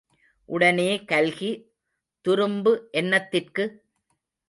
உடனே கல்கி துரும்பு என்னத்திற்கு?